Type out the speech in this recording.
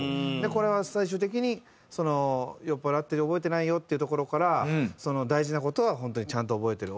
これは最終的に酔っ払って覚えてないよっていうところから大事な事は本当にちゃんと覚えてる。